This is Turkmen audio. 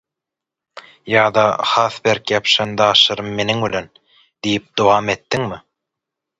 Ýa-da “has berk ýapyşan daşlarym meniň bilen” diýip dowam etdiňmi?